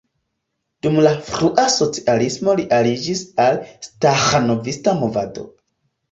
Dum la frua socialismo li aliĝis al staĥanovista movado.